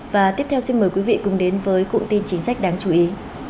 và tiếp theo xin mời quý vị cùng đến với cụm tin chính sách đáng chú ý